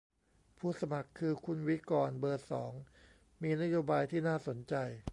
ผู้สมัครคือ คุณวิกรณ์ เบอร์ สอง มีนโยบายที่น่าสนใจ